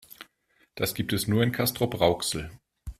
Das gibt es nur in Castrop-Rauxel